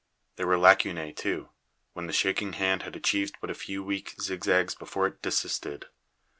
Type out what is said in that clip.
There were lacunae, too, when the shaking hand had achieved but a few weak zigzags before it desisted.